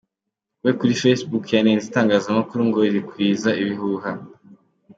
We kuri Facebook yanenze itangazamakuru ngo ‘rikwiza ibihuha’.